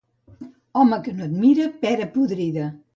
Home que no et mira, pera podrida.